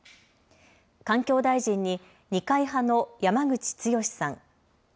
環境大臣に二階派の山口壯さん。